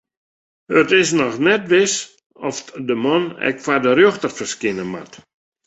It is noch net wis oft de man ek foar de rjochter ferskine moat.